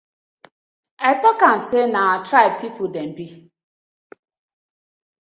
I tok am say na our tribe people dem bi.